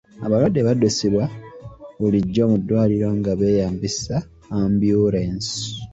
Abalwadde baddusibwa bulijjo mu ddwaliro nga beeyambisa ambyulensi.